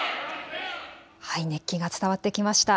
熱気が伝わってきました。